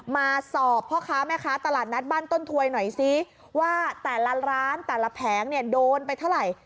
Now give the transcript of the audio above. มาสอบพ่อค้าแม่ค้าตลาดนัดบ้านต้นถวยหน่อยซิว่าแต่ละร้านแต่ละแผงเนี่ยโดนไปเท่าไหร่